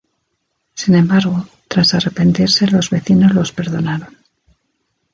Sin embargo, tras arrepentirse los vecinos los perdonaron.